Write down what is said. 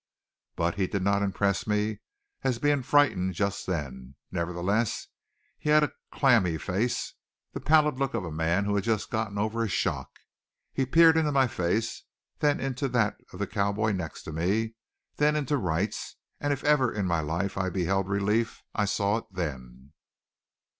But he did not impress me as being frightened just then; nevertheless, he had a clammy face, the pallid look of a man who had just gotten over a shock. He peered into my face, then into that of the cowboy next to me, then into Wright's and if ever in my life I beheld relief I saw it then.